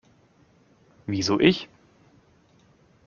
Wieso ich?